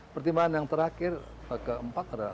pertimbangan yang terakhir keempat adalah